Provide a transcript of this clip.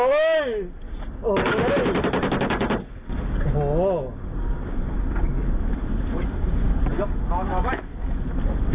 นอนนอนไว้